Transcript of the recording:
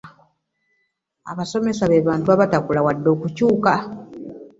abasomesa be bantu abatakula wadde okukyuka.